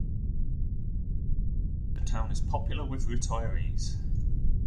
Like much of the south coast, the town is popular with retirees.